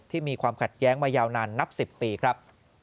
มีความขัดแย้งมายาวนานนับ๑๐ปีครับ